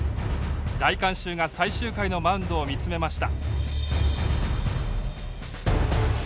大観衆が最終回のマウンドを見つめました。